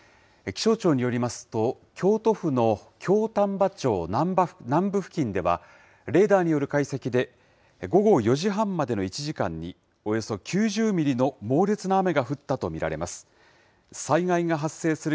気象庁によりますと、京都府の京丹波町南部付近では、レーダーによる解析で、午後４時半までの１時間に、およそ９０ミリの猛烈な雨が降ったと見られます。